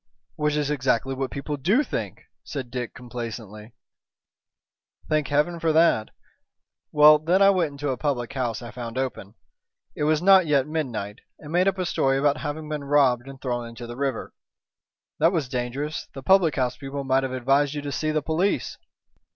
"Which is exactly what people do think," said Dick, complacently. "Thank Heaven for that. Well, then I went into a public house I found open it was not yet midnight and made up a story about having been robbed and thrown into the river." "That was dangerous. The public house people might have advised you to see the police."